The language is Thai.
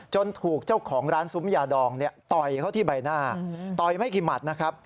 ถูกเจ้าของร้านซุ้มยาดองต่อยเขาที่ใบหน้าต่อยไม่กี่หมัดนะครับ